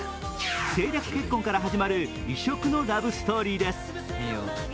政略結婚から始まる異色のラブストーリーです。